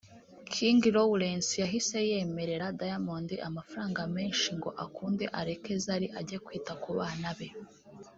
King Lawrence yahise yemerera Diamond amafaranga menshi ngo akunde areke Zari ajye kwita ku bana be